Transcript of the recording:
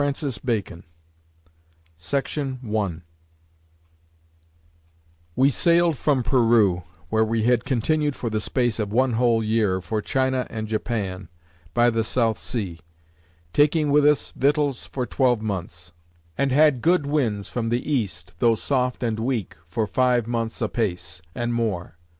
THE NEW ATLANTIS We sailed from Peru, (where we had continued for the space of one whole year) for China and Japan, by the South Sea; taking with us victuals for twelve months; and had good winds from the east, though soft and weak, for five months space, and more.